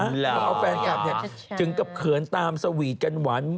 เอาแฟนคลับถึงกับเขินตามสวีทกันหวาน